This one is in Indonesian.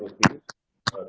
ini juga dari pihak penco akan